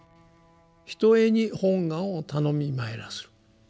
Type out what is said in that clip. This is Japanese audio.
「ひとへに本願をたのみまいらす」。